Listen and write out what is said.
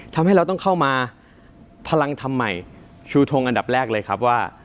ทำให้เราต้องเข้ามาพลังทำใหม่ชูทงอันดับแรกเลยครับว่า